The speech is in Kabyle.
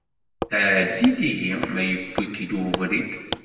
Ɛeddi-d ihi ma yewwi-k-id ubrid.